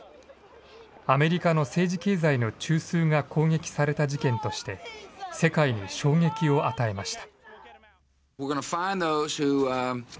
アメリカの政治経済の中枢が攻撃された事件として、世界に衝撃を与えました。